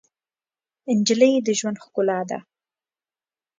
نجلۍ د ژوند ښکلا ده.